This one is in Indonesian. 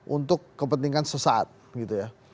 untuk kepentingan sesaat gitu ya